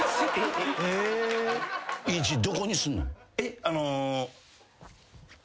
どこにすんの？